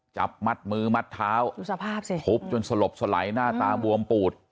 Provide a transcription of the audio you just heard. จับมัดมือมัดเท้าดูสภาพสิทุบจนสลบสลายหน้าตาบวมปูด